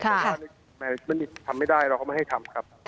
แต่ว่ามันทำไม่ได้เราก็ไม่ให้ทำครับ